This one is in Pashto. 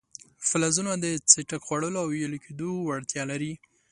فلزونه د څټک خوړلو او ویلي کېدو وړتیا لري.